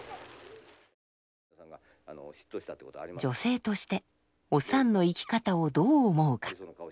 女性としておさんの生き方をどう思うか。